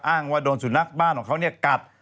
อ้างว่าโดนสุดนักบ้านของเขาเนี่ยกัด